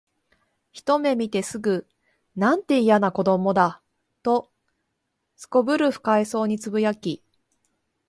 ひとめ見てすぐ、「なんて、いやな子供だ」と頗る不快そうに呟き、